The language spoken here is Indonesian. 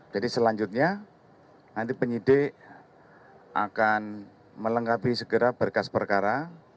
jadi selanjutnya nanti penyidik akan melengkapi segera berkas perkara